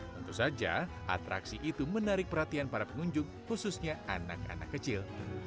tentu saja atraksi itu menarik perhatian para pengunjung khususnya anak anak kecil